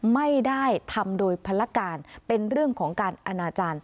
ไม่ได้ทำโดยภารการเป็นเรื่องของการอนาจารย์